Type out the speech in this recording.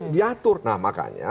diatur nah makanya